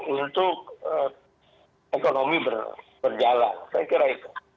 untuk ekonomi berjalan saya kira itu